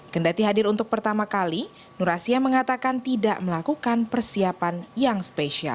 kendati hadir untuk pertama kali nur asia mengatakan tidak melakukan persiapan yang spesial